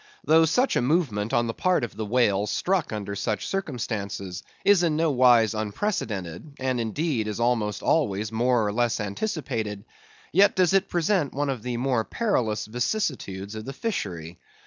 Though such a movement on the part of the whale struck under such circumstances, is in no wise unprecedented; and indeed is almost always more or less anticipated; yet does it present one of the more perilous vicissitudes of the fishery.